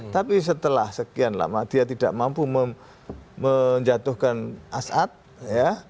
tapi setelah sekian lama dia tidak mampu menjatuhkan assad ya